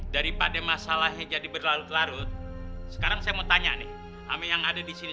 trauma waktu kejadian dulu sama polisi